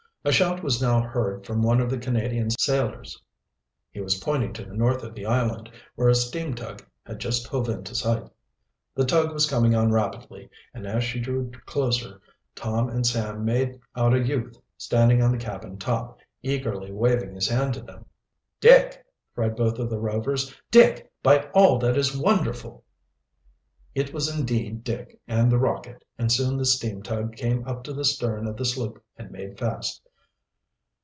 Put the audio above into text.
A shout was now heard from one of the Canadian sailors. He was pointing to the north of the island, where a steam tug had just hove into sight. The tug was coming on rapidly, and as she drew closer Tom and Sam made out a youth standing on the cabin top, eagerly waving his hand to them. "Dick!" cried both of the Rovers. "Dick, by all that is wonderful!" It was indeed Dick and the Rocket, and soon the steam tug came up to the stern of the sloop and made fast.